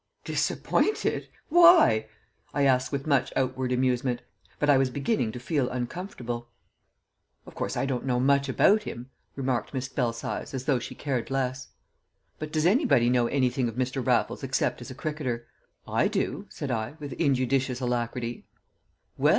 "Disappointed! Why?" I asked with much outward amusement. But I was beginning to feel uncomfortable. "Of course I don't know much about him," remarked Miss Belsize as though she cared less. "But does anybody know anything of Mr. Raffles except as a cricketer?" "I do," said I, with injudicious alacrity.